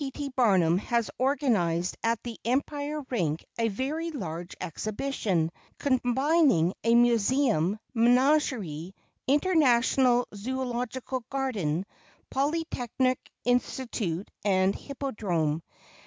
P. T. Barnum has organized at the Empire Rink a very large exhibition, combining a Museum, Menagarie, International Zoölogical Garden, Polytechnic Institute and Hippodrome.